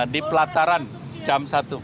di pelataran jam satu